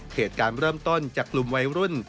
เหตุการณ์เริ่มต้นจากกลุ่มวัยรุ่น